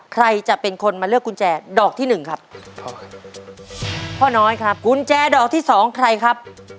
ใครจะเป็นคนมาเลือกกุญแจดอกที่หนึ่งครับพ่อน้อยครับกุญแจดอกที่สองใครครับ